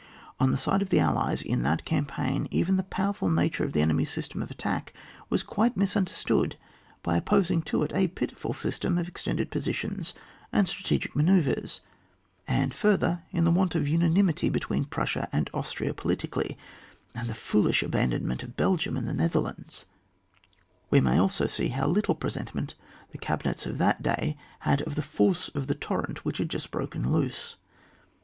On the side of the allies in that campaign, even the powerful nature of the enemy's system of attack was quite misunder stood, by opposing to it a pitiful system of extended positions and strategic man oeuvres ; and further in the want of una nimity between Prussia and Austria poli tically, and the foolish abandonment of Belgium and the Netherlands, we may also see how little presentiment the cabinets of that day had of the force of the torrent which had just broken loose.